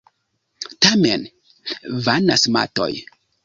Tamen vanas matoj.